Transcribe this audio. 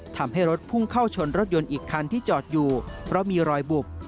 ทำให้รถพุ่งเข้าชนรถยนต์อีกคันที่จอดอยู่เพราะมีรอยบุบ